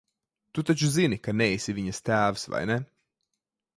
Tu taču zini, ka neesi viņas tēvs, vai ne?